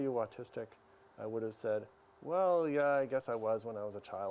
yang berkaitan dengan beberapa ujian yang memahami